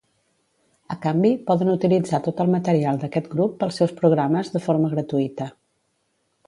A canvi, poden utilitzar tot el material d'aquest grup pels seus programes de forma gratuïta.